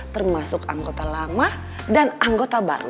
termasuk anggota lama dan anggota baru